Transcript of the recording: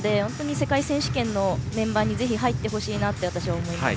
世界選手権のメンバーにぜひ入ってほしいなと私は思います。